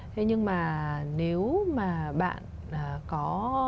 thế nhưng mà nếu mà bạn có